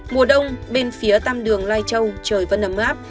mùa đông bên phía tam đường lai châu trời vẫn ấm áp